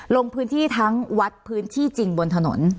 ลงพื้นที่ทั้งวัดพื้นที่จริงบนถนน